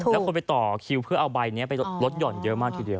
แล้วคนไปต่อคิวเพื่อเอาใบนี้ไปลดหย่อนเยอะมากทีเดียว